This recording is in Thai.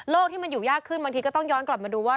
ที่มันอยู่ยากขึ้นบางทีก็ต้องย้อนกลับมาดูว่า